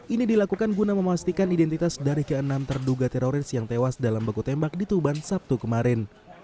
ini dilakukan guna memastikan identitas dari keenam terduga teroris yang tewas dalam beku tembak di tuban sabtu kemarin